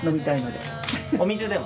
お水でも？